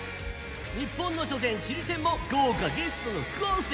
日本の初戦、チリ戦も豪華ゲストの副音声